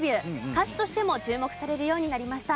歌手としても注目されるようになりました。